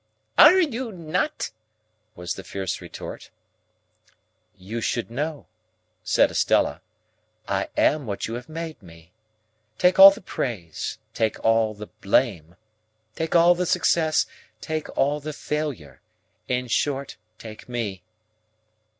"Are you not?" was the fierce retort. "You should know," said Estella. "I am what you have made me. Take all the praise, take all the blame; take all the success, take all the failure; in short, take me."